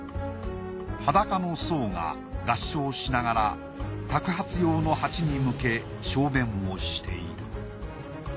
裸の僧が合掌しながら托鉢用の鉢に向け小便をしている。